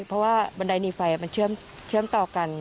เพราะว่าบันไดหนีไฟมันเชื่อมต่อกัน